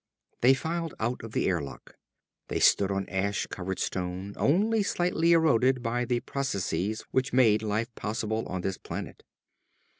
They filed out of the airlock. They stood on ash covered stone, only slightly eroded by the processes which made life possible on this planet.